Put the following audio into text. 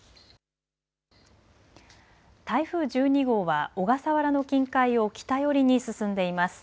台風１２号は小笠原の近海を北寄りに進んでいます。